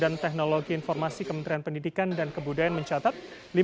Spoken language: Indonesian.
dan teknologi informasi kementerian pendidikan dan kebudayaan mencatat